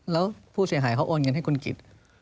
แล้วผู้เสียหายเขาโอนเงินให้คุณกิจ